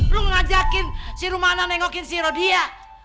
lo ngajakin si rumah anak nengokin si rodia